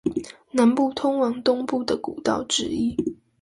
南部通往東部的古道之一